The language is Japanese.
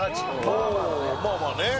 ああまあまあね。